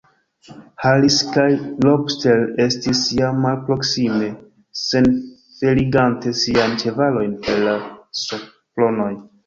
Harris kaj Lobster estis jam malproksime, senfeligante siajn ĉevalojn per la spronoj.